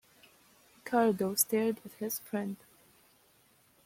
Ricardo stared at his friend.